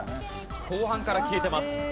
後半から消えてます。